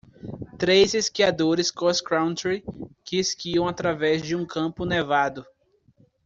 Três esquiadores crosscountry que esquiam através de um campo nevado.